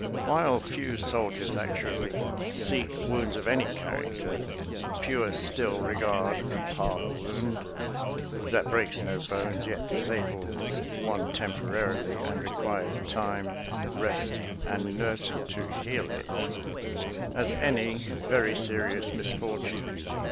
While few soldiers actually seek wounds of any character, fewer still regard a parlor wound — that breaks no bones, yet disables one tem porarily, and requires time, rest, and nursing to heal it — ^as any very serious misfortune.